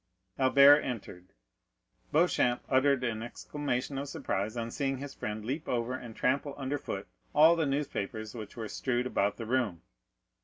Albert entered. Beauchamp uttered an exclamation of surprise on seeing his friend leap over and trample under foot all the newspapers which were strewed about the room.